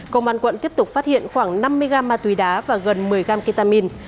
công an quận tiếp tục phát hiện khoảng năm mươi gam ma túy đá và gần một mươi gram ketamin